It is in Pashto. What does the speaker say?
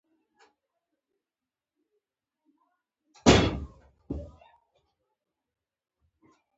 ایا زه باید رومی بانجان وخورم؟